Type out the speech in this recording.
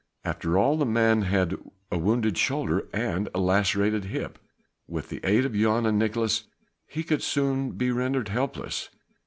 After all the man had a wounded shoulder and a lacerated hip; with the aid of Jan and of Nicolaes he could soon be rendered helpless.